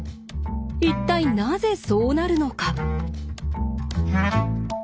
一体なぜそうなるのか。